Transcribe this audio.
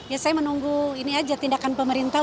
ya saya menunggu ini aja tindakan pemerintah